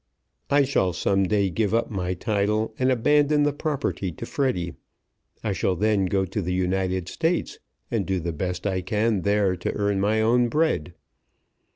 "I shall some day give up my title and abandon the property to Freddy. I shall then go to the United States, and do the best I can there to earn my own bread."